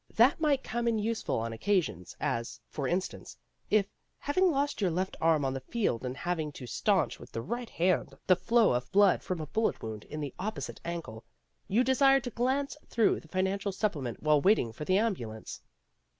That might come in useful on occasions; as, for instance, if, having lost your left arm on the field and having to staunch with the right hand the flow of blood from a bullet wound in the opposite ankle, you desired to glance through the Financial Supplement while waiting for the ambulance.